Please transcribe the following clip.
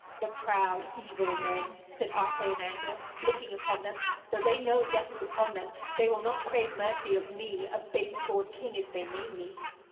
'The proud evil men!' said Arthur in anger, looking upon them. 'Though they know death is upon them, they will not crave mercy of me, a base born king, as they name me!'